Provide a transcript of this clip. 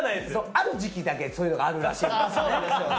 ある時期だけそういうのがあるらしいんだよね。